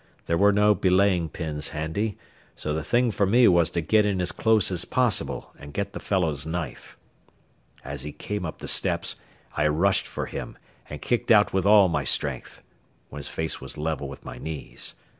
There were no belaying pins handy, so the thing for me was to get in as close as possible and get the fellow's knife. As he came up the steps, I rushed for him and kicked out with all my strength, when his face was level with my knees.